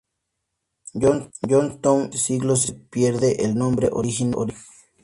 John's Town" y, durante siglos, se perdiese el nombre original.